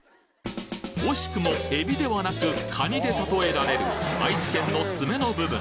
惜しくもえびではなくかにで例えられる愛知県の爪の部分。